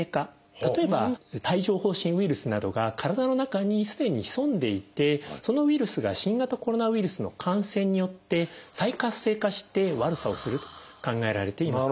例えば帯状ほう疹ウイルスなどが体の中にすでに潜んでいてそのウイルスが新型コロナウイルスの感染によって再活性化して悪さをすると考えられています。